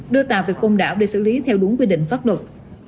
đưa tàu về côn đảo để xử lý theo đúng quy định pháp luật